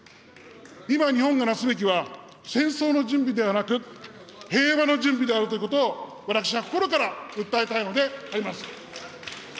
今、日本がなすべきは戦争の準備ではなく、平和の準備であることを私は心から訴えたいのであります。